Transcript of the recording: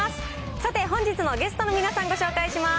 さて本日のゲストの皆さん、ご紹介します。